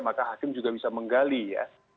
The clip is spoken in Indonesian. maka hakim juga bisa menggali ya